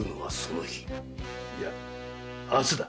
いや明日だ。